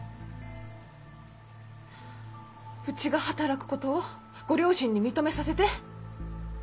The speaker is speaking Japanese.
うちが働くことをご両親に認めさせて。